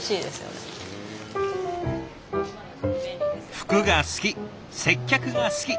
服が好き接客が好き。